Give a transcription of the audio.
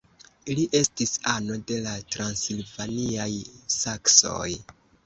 Li estis ano de la transilvaniaj saksoj.